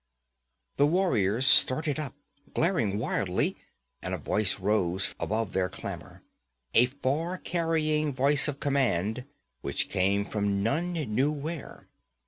The warriors started up, glaring wildly, and a voice rose above their clamor, a far carrying voice of command which came from none knew where.